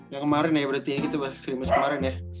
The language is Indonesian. yang kemarin ya berarti ya gitu bahas pre match kemarin ya